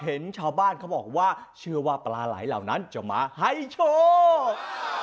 เห็นชาวบ้านเขาบอกว่าเชื่อว่าปลาไหลเหล่านั้นจะมาให้โชค